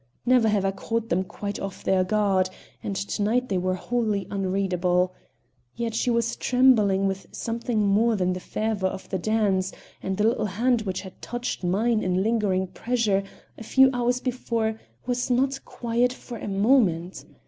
Never have I caught them quite off their guard, and to night they were wholly unreadable. Yet she was trembling with something more than the fervor of the dance, and the little hand which had touched mine in lingering pressure a few hours before was not quiet for a moment.